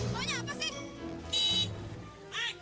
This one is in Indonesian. maunya apa sih